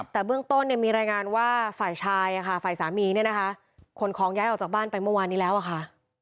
แต่เบื้องต้นมีรายงานว่า